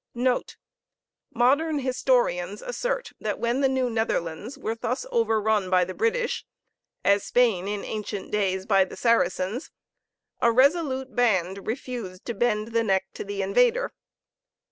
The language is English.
NOTE. Modern historians assert that when the New Netherlands were thus overrun by the British, as Spain in ancient days by the Saracens, a resolute band refused to bend the neck to the invader.